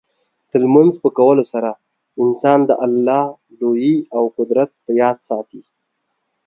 د لمونځ په کولو سره انسان د الله لویي او قدرت په یاد ساتي.